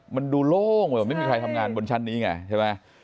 มันดูโล่งไม่มีใครทำงานบนชั้นนี้ไง